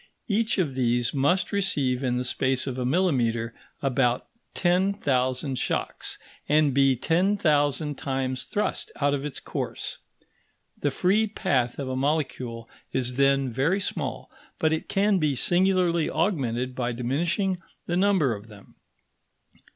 Each of these must receive in the space of a millimetre about ten thousand shocks, and be ten thousand times thrust out of its course. The free path of a molecule is then very small, but it can be singularly augmented by diminishing the number of them.